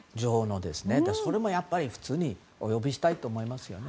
それも普通にお呼びしたいと思いますよね。